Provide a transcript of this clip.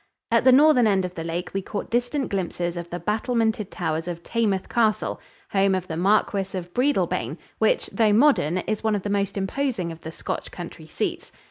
At the northern end of the lake we caught distant glimpses of the battlemented towers of Taymouth Castle, home of the Marquis of Breadalbane, which, though modern, is one of the most imposing of the Scotch country seats.